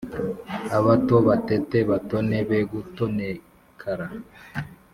Abato batete batone be gutonekara